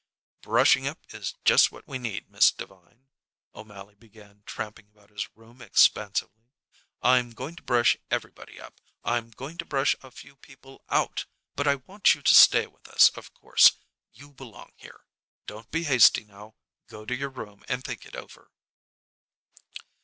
"Brushing up is just what we need, Miss Devine." O'Mally began tramping about his room expansively. "I'm going to brush everybody up. I'm going to brush a few people out; but I want you to stay with us, of course. You belong here. Don't be hasty now. Go to your room and think it over."